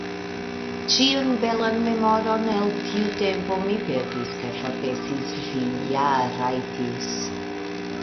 Ĉiun belan memoron el tiu tempo mi perdis kaj forgesis vi ja rajtis.